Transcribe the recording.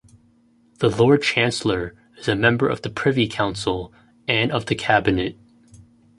The Lord Chancellor is a member of the Privy Council and of the Cabinet.